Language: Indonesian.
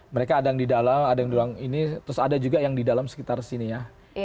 mereka ada yang di dalam ada yang di ruang ini terus ada juga yang di dalam sekitar sini ya